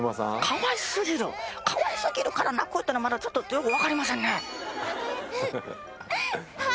かわいすぎるから泣くってのまたちょっとよく分かりませんね